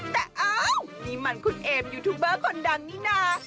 แต่อ้าวนี่มันคุณเอมยูทูบเบอร์คนดังนี่นะ